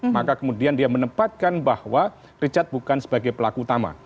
maka kemudian dia menempatkan bahwa richard bukan sebagai pelaku utama